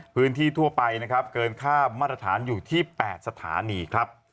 พื้นที่ทั่วไปนะครับเกินค่ามาตรฐานอยู่ที่๘สถานีครับ